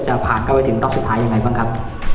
จะผ่านเข้าไปถึงรอบสุดท้ายยังไงบ้างครับ